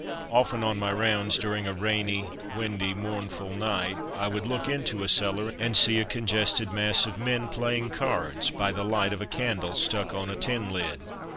Often on my rounds, during a rainy, windy, mournful night, I would look into a cellar and see a congested mass of men playing cards by the light of a candle stuck on a tin lid.